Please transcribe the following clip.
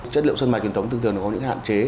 chất liệu sơn mài truyền thống thường có những hạn chế